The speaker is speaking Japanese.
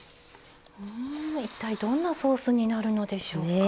一体どんなソースになるのでしょうか。